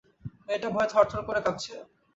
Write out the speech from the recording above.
মেয়েটা ভয়ে থারথার করে কাঁপছে।